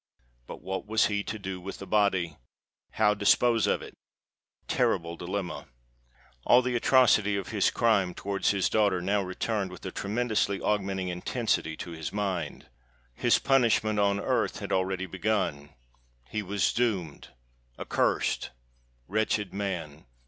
But what was he to do with the body?—how dispose of it? Terrible dilemma! All the atrocity of his crime towards his daughter now returned with a tremendously augmenting intensity to his mind. His punishment on earth had already begun:—he was doomed—accursed. Wretched man!